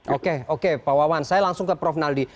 oke oke pak wawan saya langsung ke prof naldi